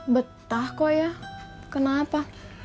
betah kok ya kenapa